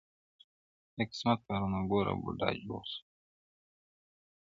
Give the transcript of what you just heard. د قسمت کارونه ګوره بوډا جوړ سو!